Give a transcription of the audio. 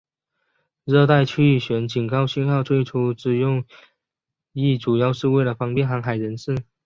热带气旋警告信号最初之用意主要是为了方便航海人士。